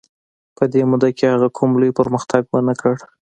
په دې موده کې هغه کوم لوی پرمختګ ونه کړ.